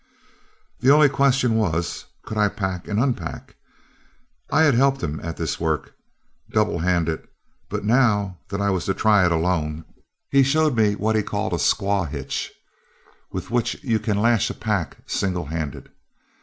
"The only question was, could I pack and unpack. I had helped him at this work, double handed, but now that I was to try it alone, he showed me what he called a squaw hitch, with which you can lash a pack single handed.